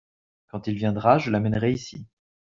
Quand il viendra je l'amènerai ici.